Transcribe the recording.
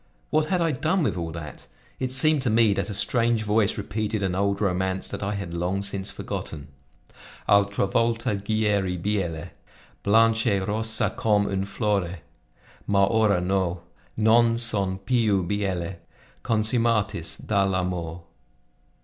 What had I done with all that? It seemed to me that a strange voice repeated an old romance that I had long since forgotten: Altra volta gieri biele, Blanch' e rossa com' un flore, Ma ora no. Non son piu biele Consumatis dal' amore.